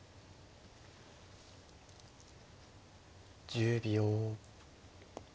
１０秒。